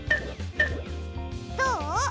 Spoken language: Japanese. どう？